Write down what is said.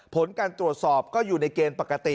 ผลการตรวจสอบก็อยู่ในเกณฑ์ปกติ